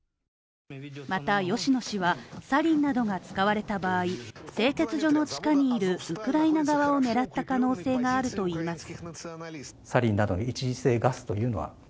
また吉野氏はサリンなどが使われた場合製鉄所の地下にいるウクライナ側を狙った可能性があるといいます。